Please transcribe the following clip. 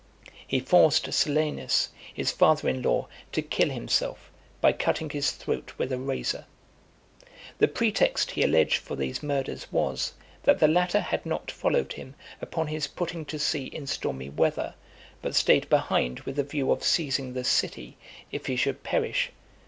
He forced Silanus, his father in law, to kill himself, by cutting his throat with a razor. The pretext he alleged for these murders was, that the latter had not followed him upon his putting to sea in stormy weather, but stayed behind with the view of seizing the city, if he should perish.